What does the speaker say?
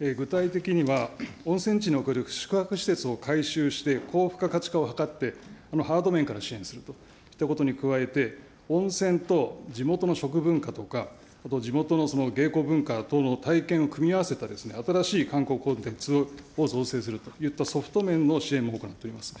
具体的には、温泉地におけるしょくはくしせつを改修して、高付加価値化をはかって、ハード面から支援すると。ということに加えて、温泉と地元の食文化とか、地元の文化等の体験を組み合わせた、新しい観光コンテンツを造成するといったソフト面の支援も行っております。